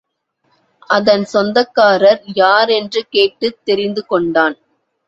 அதன் சொந்தக்காரர் யார் என்று கேட்டுத் தெரிந்து கொண்டான்.